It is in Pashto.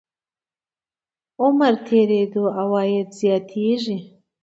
عمر تېرېدو عواید زیاتېږي.